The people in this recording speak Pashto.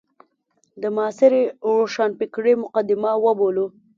د معاصرې روښانفکرۍ مقدمه وبولو.